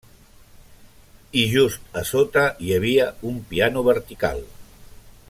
I just a sota hi havia un piano vertical.